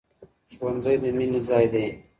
ښوونځی د مینې ځای دی.